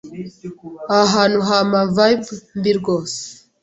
Aha hantu hampa vibe mbi rwose.